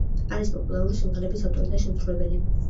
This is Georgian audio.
არის პოპულარული სიმღერების ავტორი და შემსრულებელი.